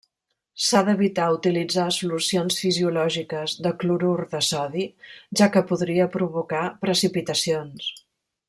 S’ha d’evitar utilitzar solucions fisiològiques de clorur de sodi, ja que podria provocar precipitacions.